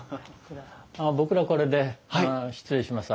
僕らこれで失礼します。